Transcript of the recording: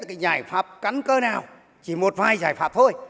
cái giải pháp cắn cơ nào chỉ một vài giải pháp thôi